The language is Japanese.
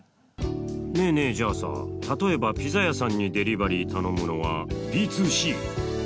ねえねえじゃあさ例えばピザ屋さんにデリバリー頼むのはＢ２Ｃ。